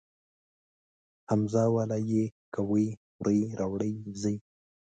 همزه واله ئ کوئ خورئ راوړئ ځئ